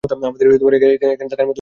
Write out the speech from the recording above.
আমাদের এখানে থাকার মতই দীর্ঘ?